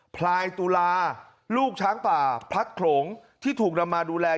พลายตุลาลูกช้างป่าพลัดโขลงที่ถูกนำมาดูแล